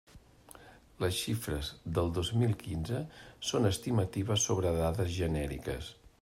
Les xifres del dos mil quinze són estimatives sobre dades genèriques.